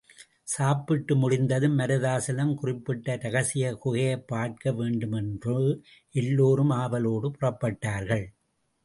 சாப்பிட்டு முடிந்ததும் மருதாசலம் குறிப்பிட்ட ரகசிய குகையைப் பார்க்க வேண்டுமென்று எல்லாரும் ஆவலோடு புறப்பட்டார்கள்.